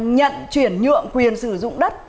nhận chuyển nhượng quyền sử dụng đất